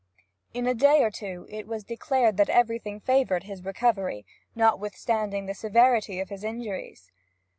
In a day or two it was declared that everything favoured his recovery, notwithstanding the severity of his injuries.